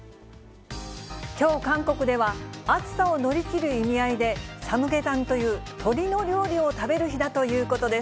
きょう、韓国では、暑さを乗り切る意味合いで、サムゲタンという鶏の料理を食べる日だということです。